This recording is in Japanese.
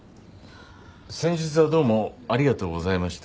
先日はどうもありがとうございました。